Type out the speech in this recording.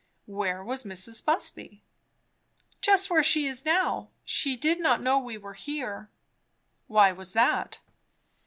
"Where was Mrs. Busby?" "Just where she is now. She did not know we were here." "Why was that?"